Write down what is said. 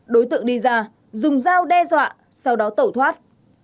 đối tượng đi ra dùng dao đe dọa sau đó tẩu thoát